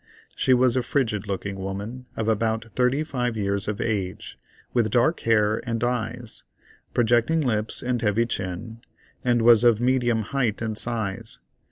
She was a frigid looking woman, of about 35 years of age, with dark hair and eyes, projecting lips and heavy chin, and was of medium height and size.